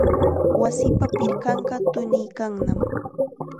Wasipa pirqanqa tuniykannam.